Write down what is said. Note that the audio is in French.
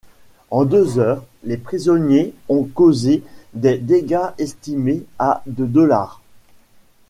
En deux heures, les prisonniers ont causé des dégâts estimés à de dollars.